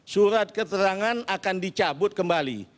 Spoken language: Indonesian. surat keterangan akan dicabut kembali